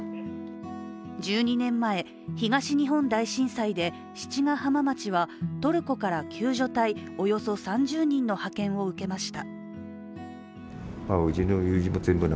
１２年前、東日本大震災で七ヶ浜町はトルコから救助隊およそ３０人の派遣を受けました。